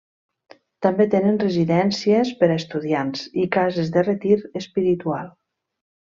També tenen residències per a estudiants i cases de retir espiritual.